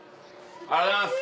ありがとうございます。